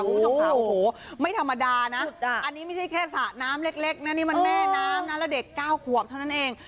คุณผู้ชมค่ะโอ้โหไม่ธรรมดานะอันนี้ไม่ใช่แค่สระน้ำเล็กนะนี่มันแม่น้ำนะแล้วเด็ก๙ขวบเท่านั้นเอง